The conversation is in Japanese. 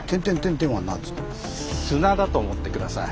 砂だと思って下さい。